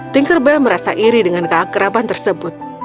tinker bell merasa iri dengan keakrapan tersebut